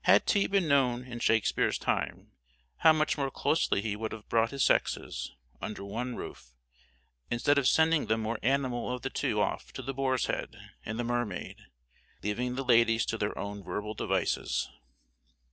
Had tea been known in Shakespeare's time, how much more closely he would have brought his sexes, under one roof, instead of sending the more animal of the two off to The Boar's Head and The Mermaid, leaving the ladies to their own verbal devices.